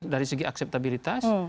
dari segi akseptabilitas